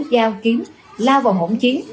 dao kiếm lao vào hỗn chiến